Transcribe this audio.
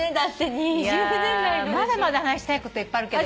いやまだまだ話したいこといっぱいあるけど。